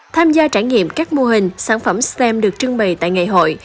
tham gia trải nghiệm các mô hình sản phẩm stem được trưng bày tại ngày hội